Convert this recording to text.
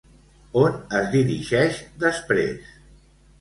On es dirigeix després?